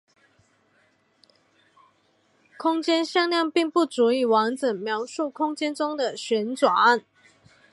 空间向量并不足以完整描述空间中的旋转。